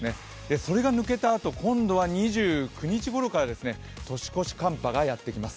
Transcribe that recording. それが抜けたあと、今度は２９日ごろから年越し寒波がやってきます。